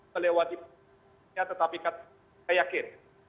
melewati puncak pandeminya tetapi saya yakin